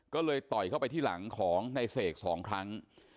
ก็เลยต่อยเข้าไปที่หลังของนายเสก๒ครั้ง